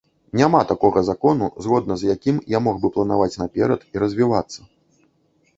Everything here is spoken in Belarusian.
Няма такога закону, згодна з якім я мог бы планаваць наперад і развівацца.